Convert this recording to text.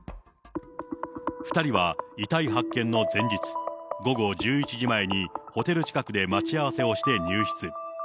２人は遺体発見の前日、午後１１時前にホテル近くで待ち合わせをして入室。